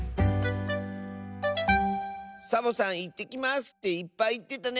サボさん「いってきます」っていっぱいいってたね。